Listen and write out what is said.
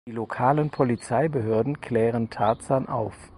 Die lokalen Polizeibehörden klären Tarzan auf.